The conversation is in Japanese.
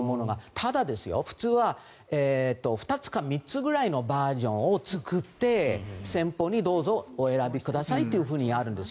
ただ、普通は２つか３つぐらいのバージョンを作って先方にどうぞお選びくださいとやるんです。